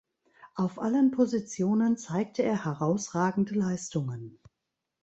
Auf allen Positionen zeigte er herausragende Leistungen.